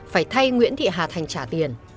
phải thay nguyễn thị hà thành trả tiền